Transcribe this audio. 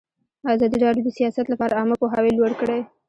ازادي راډیو د سیاست لپاره عامه پوهاوي لوړ کړی.